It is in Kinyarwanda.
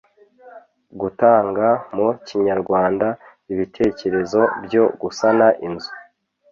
gutanga mu kinyarwanda ibitekerezo byo gusana inzu